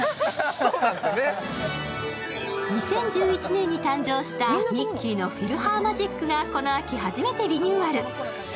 ２０１１年に誕生したミッキーのフィルハーマジックがこの秋初めてリニューアル。